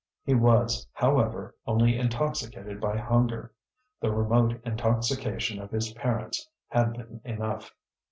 He was, however, only intoxicated by hunger; the remote intoxication of his parents had been enough.